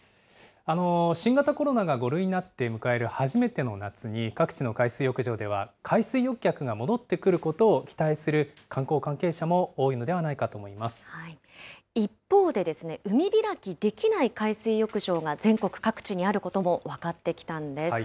新型コロナが５類になって迎える初めての夏に、各地の海水浴場では海水浴客が戻ってくることを期待する観光関係一方でですね、海開きできない海水浴場が全国各地にあることも分かってきたんです。